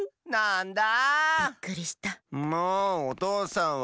んもうおとうさんは！